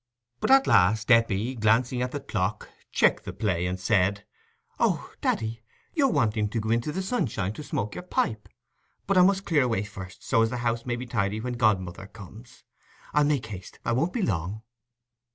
But at last Eppie, glancing at the clock, checked the play, and said, "O daddy, you're wanting to go into the sunshine to smoke your pipe. But I must clear away first, so as the house may be tidy when godmother comes. I'll make haste—I won't be long."